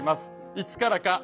いつからか。